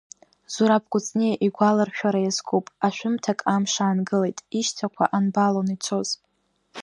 Зураб Кәыҵниа игәаларшәара иазкуп ашәымҭак амш аангылеит, ишьҭақәа анбалон ицоз.